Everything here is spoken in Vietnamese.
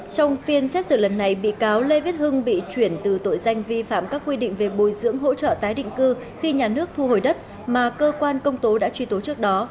trong phiên xét xử lần này bị cáo lê viết hưng bị chuyển từ tội danh vi phạm các quy định về bồi dưỡng hỗ trợ tái định cư khi nhà nước thu hồi đất mà cơ quan công tố đã truy tố trước đó